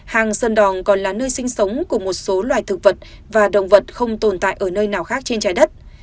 hàng sơn đòn còn là nơi sinh sống của một số loài thực vật và động vật không tồn tại ở nơi nào khác trên trái đất